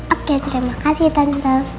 oke terima kasih tante